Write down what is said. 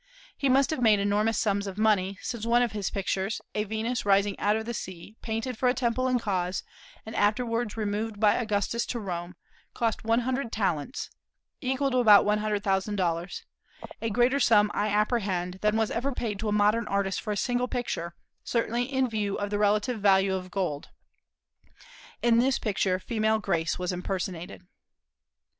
He must have made enormous sums of money, since one of his pictures a Venus rising out of the sea, painted for a temple in Cos, and afterwards removed by Augustus to Rome cost one hundred talents (equal to about one hundred thousand dollars), a greater sum, I apprehend, than was ever paid to a modern artist for a single picture, certainly in view of the relative value of gold. In this picture female grace was impersonated.